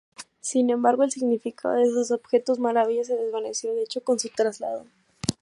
Sin embargo, el significado de esos objetos-maravilla se desvaneció, de hecho, con su traslado.